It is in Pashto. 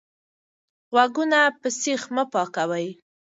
غوږونه په سیخ مه پاکوئ.